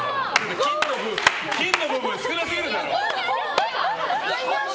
金の部分少なすぎるでしょ！